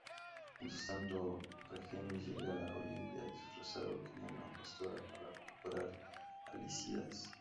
Mientras tanto, Argene llega a Olimpia disfrazado como una pastora para recuperar a Lycidas.